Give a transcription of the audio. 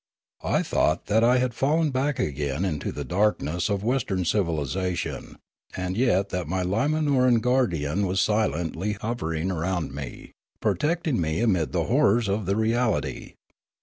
I thought that I had fallen back again into the darkness of Western civilisa tion, and yet that my Limanoran guardian was silently hovering round me, protecting me amid the horrors of the reality.